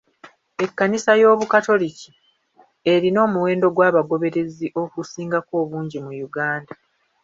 Ekkanisa y'obukatoliki erina omuwendo gw'abagoberezi ogusingako obungi mu Uganda.